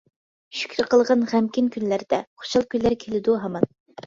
شۈكرى قىلغىن غەمكىن كۈنلەردە، خۇشال كۈنلەر كېلىدۇ ھامان.